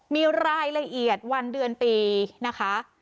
มีรายละเอียดวันเดือนปีนะคะ